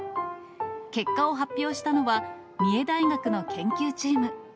結果を発表したのは、三重大学の研究チーム。